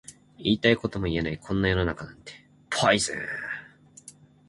言いたいことも言えないこんな世の中